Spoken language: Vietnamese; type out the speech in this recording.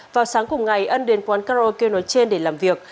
vào sáng cùng ngày ân đến quán karaoke nói trên để làm việc